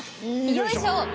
よいしょ！